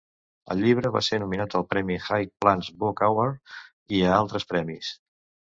El llibre va ser nominat al premi High Plains Book Award i a altres premis.